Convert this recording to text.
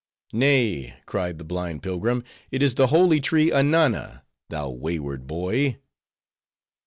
"Nay," cried the blind pilgrim, "it is the holy tree Ananna, thou wayward boy."